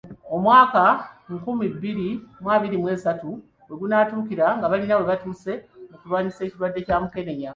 Omwaka nkumi bbiri abiri mw'essatu we gunaatuukira nga balina we batuuse mu kulwanyisa ekirwadde kya Mukenenya.